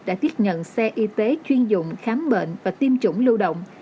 đã tiết nhận xe y tế chuyên dùng khám bệnh và tiêm chủng lưu động